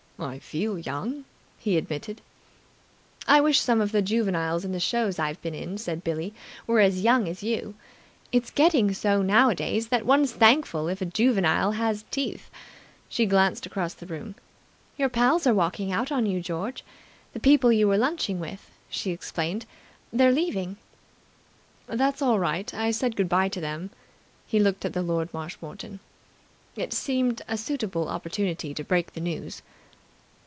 "I feel young," he admitted. "I wish some of the juveniles in the shows I've been in," said Billie, "were as young as you. It's getting so nowadays that one's thankful if a juvenile has teeth." She glanced across the room. "Your pals are walking out on you, George. The people you were lunching with," she explained. "They're leaving." "That's all right. I said good bye to them." He looked at Lord Marshmoreton. It seemed a suitable opportunity to break the news.